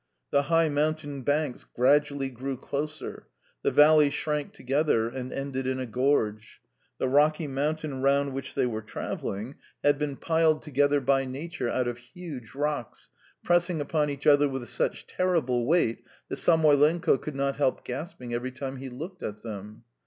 The high mountain banks gradually grew closer, the valley shrank together and ended in a gorge; the rocky mountain round which they were driving had been piled together by nature out of huge rocks, pressing upon each other with such terrible weight, that Samoylenko could not help gasping every time he looked at them.